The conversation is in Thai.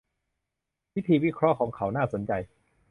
วิธีวิเคราะห์ของเขาน่าสนใจ